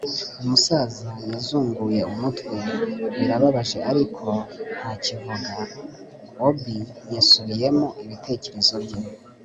umusaza yazunguye umutwe birababaje ariko ntakivuga. obi yasubiyemo ibitekerezo bye